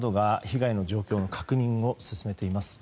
警察などが被害の状況の確認を進めています。